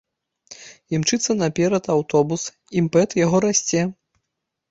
Імчыцца наперад аўтобус, імпэт яго расце.